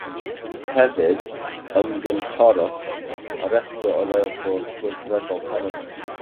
Hefyd ymgynghorwch â'r rhestr o reilffyrdd gweithredol Canada.